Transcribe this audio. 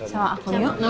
sama aku yuk